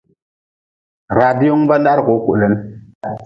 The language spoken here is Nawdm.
Radiongu ba-n dahri kuu kulin.